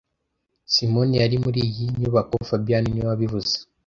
Simoni yari muri iyo nyubako fabien niwe wabivuze